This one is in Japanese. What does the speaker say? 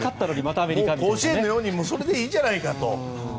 甲子園のようにそれでいいじゃないかと。